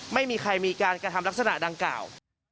ไม่มีใครมีการกระทำลักษณะดังกล่าว